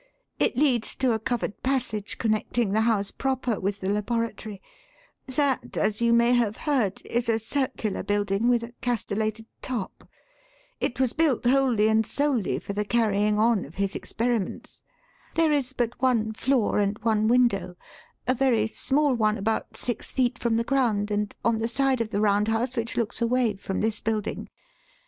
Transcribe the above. It leads to a covered passage connecting the house proper with the laboratory. That, as you may have heard, is a circular building with a castellated top. It was built wholly and solely for the carrying on of his experiments. There is but one floor and one window a very small one about six feet from the ground, and on the side of the Round House which looks away from this building.